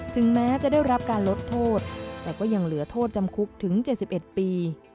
ถึงแม้จะได้รับการลดโทษแต่ก็ยังเหลือโทษจำคุกถึง๗๑ปี